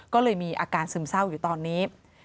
ก็เลยมีอาการซึมเศร้าอยู่ตอนนี้